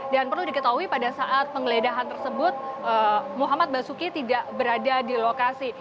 dan perlu diketahui pada saat penggeledahan tersebut muhammad basuki tidak berada di lokasi